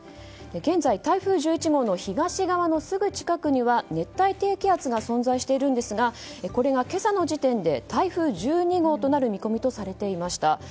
現在、台風１１号の東側のすぐ近くには熱帯低気圧が存在していますがこれが今朝の時点で台風１２号となる見込みとされていました。